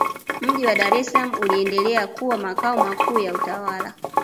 mji wa dar es salaam uliendelea kuwa makao makuu ya utawala